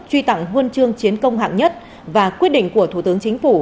truy tặng huân chương chiến công hạng nhất và quyết định của thủ tướng chính phủ